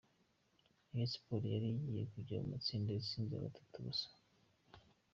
Rayon Sports yari igiye kujya mu matsinda itsinze gatatu gusa.